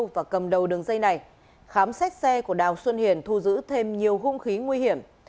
và cầm đầu đường dây này khám xét xe của đào xuân hiền thu giữ thêm nhiều hung khí nguy hiểm